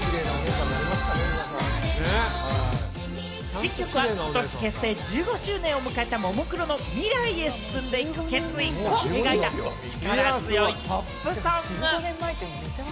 新曲はことし結成１５周年を迎えたももクロの未来へ進んでいく決意を描いた力強いポップソング。